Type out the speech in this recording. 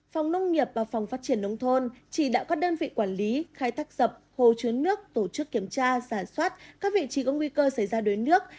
phòng nông nghiệp và phòng phát triển nông thôn chỉ đạo các đơn vị quản lý khai thác dập hồ chứa nước tổ chức kiểm tra giả soát các vị trí có nguy cơ xảy ra đuối nước